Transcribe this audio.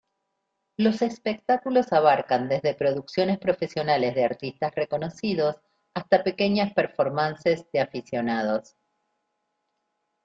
Los espectáculos abarcan desde producciones profesionales de artistas reconocidos hasta pequeñas performances de aficionados.